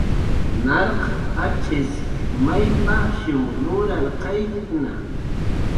Narq atx'is may pajshiw nurarqayktna